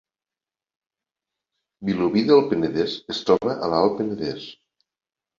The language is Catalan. Vilobí del Penedès es troba a l’Alt Penedès